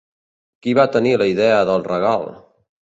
Qui va tenir la idea del regal?